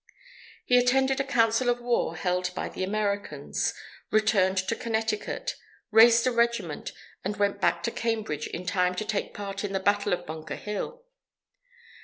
He attended a council of war held by the Americans, returned to Connecticut, raised a regiment, and went back to Cambridge in time to take part in the Battle of Bunker Hill.